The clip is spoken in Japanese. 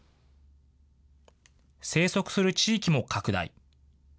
生息する地域も拡大。